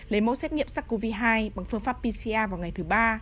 lấy mẫu xét nghiệm sars cov hai bằng phương pháp pcr vào ngày thứ ba